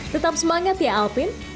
tetap semangat ya alpin